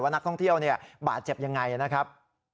ว่านักท่องเที่ยวเนี่ยบาดเจ็บอย่างไรนะครับ